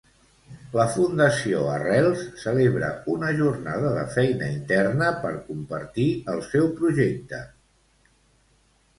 La fundació Arrels celebra una jornada de feina interna per compartir el seu projecte.